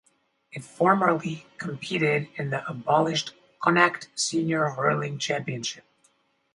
It formerly competed in the abolished Connacht Senior Hurling Championship.